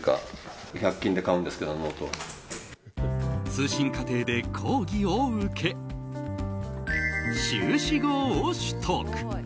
通信課程で講義を受け修士号を取得。